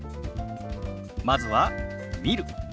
まずは「見る」。